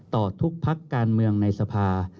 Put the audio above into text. ต่อทุกพักการเมืองในสภา